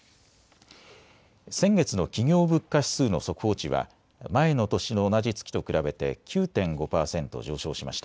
先月の企業物価指数の速報値は前の年の同じ月と比べて９．５％上昇しました。